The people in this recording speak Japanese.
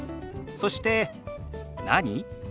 そして「何？」。